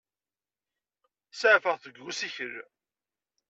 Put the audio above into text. Saεfeɣ-t deg usikel.